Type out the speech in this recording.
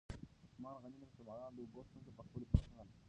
عثمان غني د مسلمانانو د اوبو ستونزه په خپلو پیسو حل کړه.